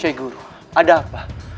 syekh guru ada apa